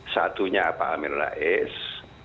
satunya pak amir rais